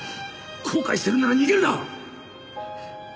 後悔してるなら逃げるな！